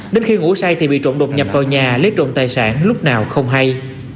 đến khi ngủ say thì bị trộn đột nhập vào nhà lấy trộm tài sản lúc nào không hay